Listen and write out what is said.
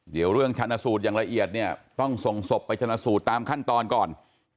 เดี๋ยวเรื่องชันสูตรอย่างละเอียดเนี่ยต้องส่งศพไปชนะสูตรตามขั้นตอนก่อน